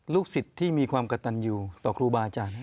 สิทธิ์ที่มีความกระตันอยู่ต่อครูบาอาจารย์